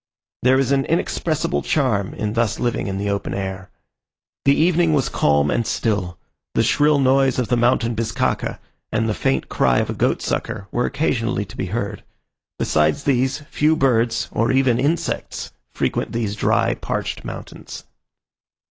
There is an inexpressible charm in thus living in the open air. The evening was calm and still; the shrill noise of the mountain bizcacha, and the faint cry of a goatsucker, were occasionally to be heard. Besides these, few birds, or even insects, frequent these dry, parched mountains.